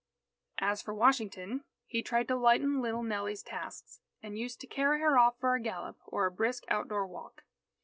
As for Washington, he tried to lighten little Nellie's tasks, and used to carry her off for a gallop or brisk outdoor walk.